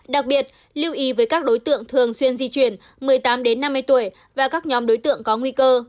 đặc biệt lưu ý với các đối tượng thường xuyên di chuyển một mươi tám năm mươi tuổi và các nhóm đối tượng có nguy cơ